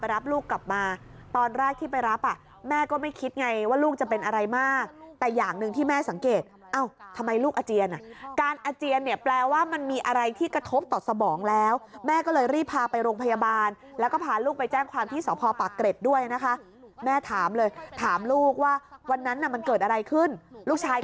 รับลูกกลับมาตอนแรกที่ไปรับอ่ะแม่ก็ไม่คิดไงว่าลูกจะเป็นอะไรมากแต่อย่างหนึ่งที่แม่สังเกตเอ้าทำไมลูกอาเจียนอ่ะการอาเจียนเนี่ยแปลว่ามันมีอะไรที่กระทบต่อสมองแล้วแม่ก็เลยรีบพาไปโรงพยาบาลแล้วก็พาลูกไปแจ้งความที่สพปากเกร็ดด้วยนะคะแม่ถามเลยถามลูกว่าวันนั้นน่ะมันเกิดอะไรขึ้นลูกชาย